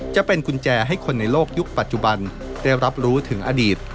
จะเป็นกุญแจให้คนในโลกยุคปัจจุบันได้รับรู้ถึงอดีต